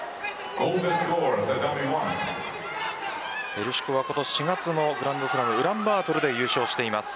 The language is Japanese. ヘルシュコは今年４月のグランドスラムウランバートルで優勝しています。